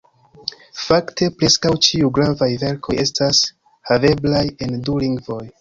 Fakte preskaŭ ĉiuj gravaj verkoj estas haveblaj en du lingvoj.